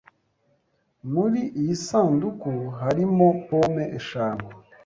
Muri iyi sanduku harimo pome eshanu.